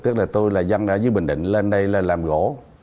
tức là tôi là dân ở dưới bình định lên đây là làm gỗ